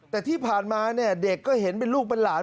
แต่ที่ผ่านมาเนี่ยเด็กก็เห็นเป็นลูกเป็นหลาน